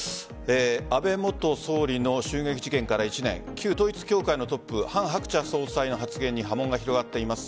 安倍元総理の襲撃事件から１年旧統一教会のトップハン・ハクチャ総裁の発言に波紋が広がっています。